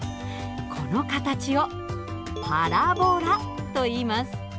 この形をパラボラといいます。